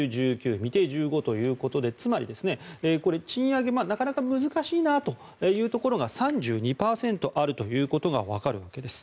未定１５ということでつまり、賃上げなかなか難しいなというところが３２％あるということがわかるわけです。